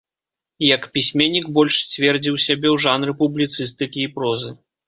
Як пісьменнік больш сцвердзіў сябе ў жанры публіцыстыкі і прозы.